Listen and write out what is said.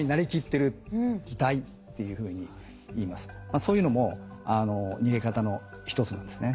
そういうのも逃げ方の一つなんですね。